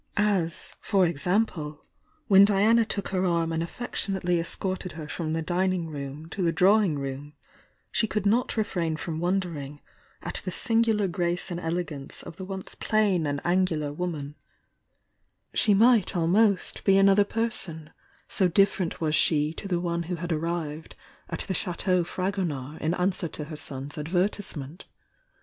As, for example, when Diana took her arm and affectionately escorted her from the dining room to the drawing room, she could not re frain from wondering at the singular grace and ele gance of the once plain and angular woman, — she might almost be another person, so different was she to the one who had arrived at the Chateau Frag oriard in answer to her son's advertisement.